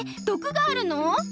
どくがあるの？